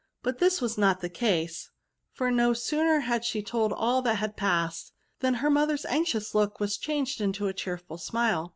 But this was not the case ; for no ^sooner had she told all that had passed, than her mother's anxious look was changed into a cheerful smile.